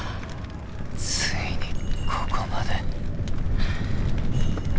ついにここまで。